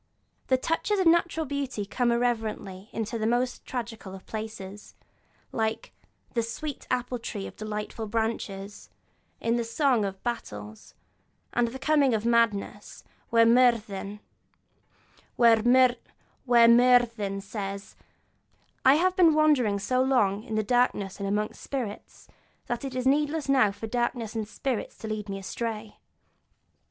And touches of natural beauty come irrelevantly into the most tragical places, like the 'sweet apple tree of delightful branches' in that song of battles and of the coming of madness, where Myrddin says: 'I have been wandering so long in darkness and among spirits that it is needless now for darkness and spirits to lead me astray.'